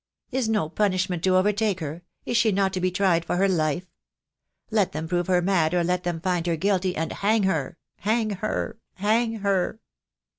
"Is no punishment to overtake her? Is she not to be tried for her life? Let them prove her mad, or let them find her guilty, and hang her — hang her — hang her.